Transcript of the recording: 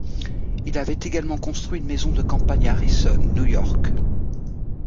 Il avait également construit une maison de campagne à Harrison, New York.